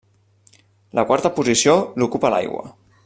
La quarta posició l'ocupa l'aigua.